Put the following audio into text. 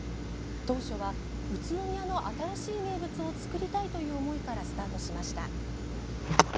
当初は、宇都宮の新しい名物を作りたいという思いからスタートしました。